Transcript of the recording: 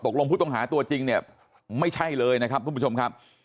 ลงผู้ต้องหาตัวจริงเนี่ยไม่ใช่เลยนะครับทุกผู้ชมครับ